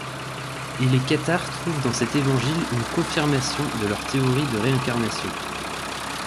Et les cathares trouvent dans cet Évangile une confirmation de leurs théories de réincarnation.